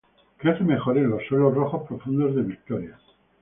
Crece mejor en los suelos rojos profundos de Victoria.